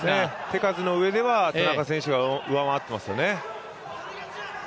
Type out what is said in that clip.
手数のうえでは田中選手が上回ってますよね。